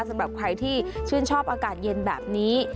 สำหรับใครที่ชื่นชอบอากาศเย็นแบบนี้